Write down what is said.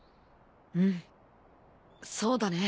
うんそうだね。